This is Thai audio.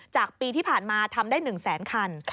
จากปีที่ผ่านมาทำได้๑แสนคัน